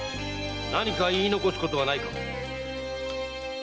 何か言い残すことはないか？